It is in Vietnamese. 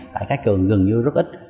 tại các trường gần như rất ít